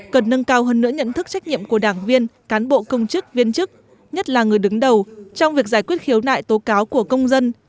cần nâng cao hơn nữa nhận thức trách nhiệm của đảng viên cán bộ công chức viên chức nhất là người đứng đầu trong việc giải quyết khiếu nại tố cáo của công dân